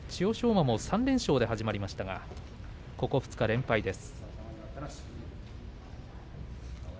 馬も３連勝で始まりましたがここ２日、連敗です。